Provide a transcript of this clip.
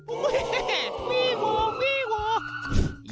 เฮ้เฮมีหัวมีหัว